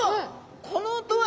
この音は！